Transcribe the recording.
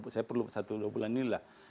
saya perlu satu dua bulan ini lah